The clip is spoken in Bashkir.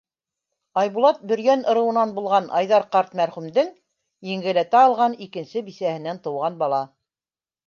Айбулат Бөрйән ырыуынан булған Айҙар ҡарт мәрхүмдең еңгәләтә алған икенсе бисәһенән тыуған бала.